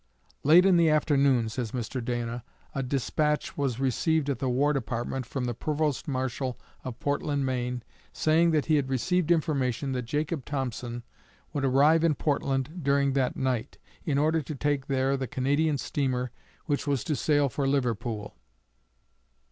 "Late in the afternoon," says Mr. Dana, "a despatch was received at the War Department from the provost marshal of Portland, Maine, saying that he had received information that Jacob Thompson would arrive in Portland during that night, in order to take there the Canadian steamer which was to sail for Liverpool.